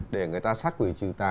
để người ta xác quỷ trừ tà